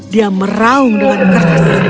dia meraung dengan keras